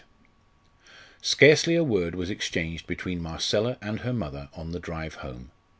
Scarcely a word was exchanged between Marcella and her mother on the drive home.